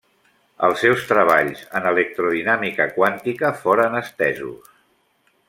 Els seus treballs en electrodinàmica quàntica foren estesos.